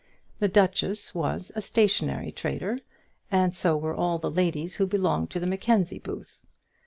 The duchess was a stationary trader, and so were all the ladies who belonged to the Mackenzie booth.